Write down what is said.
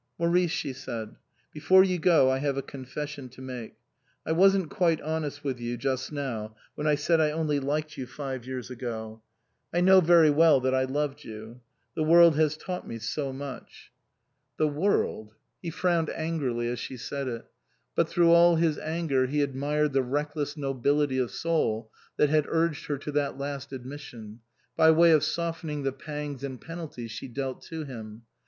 " Maurice," she said, " before you go I have a confession to make. I wasn't quite honest with you just now when I said I only liked you five years ago. I know very well that I loved you. The world has taught me so much." 179 THE COSMOPOLITAN The world ! He frowned angrily as she said it. But through all his anger he admired the reckless nobility of soul that had urged her to that last admission, by way of softening the pangs and penalties she dealt to him.